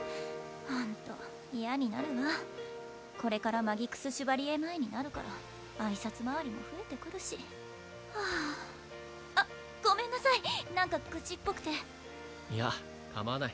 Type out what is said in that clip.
ホント嫌になるわこれからマギクス・シュバリエ前になるから挨拶回りも増えてくるしはああっごめんなさい何か愚痴っぽくていやかまわない